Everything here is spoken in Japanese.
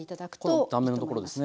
この断面のところですね。